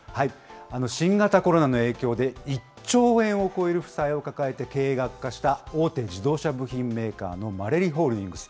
新型コロナの影響で、１兆円を超える負債を抱えて経営が悪化した大手自動車部品メーカーのマレリホールディングス。